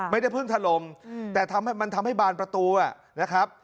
ไม่ได้เพิ่งถล่มแต่มันทำให้บานประตูนะครับ